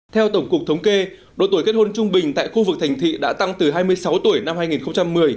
theo tổng cục thống kê độ tuổi kết hôn trung bình tại khu vực thành thị đã tăng từ hai mươi sáu tuổi năm hai nghìn một mươi